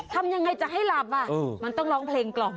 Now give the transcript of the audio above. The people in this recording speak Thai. ทำยังไงจะให้หลับมันต้องร้องเพลงกล่อม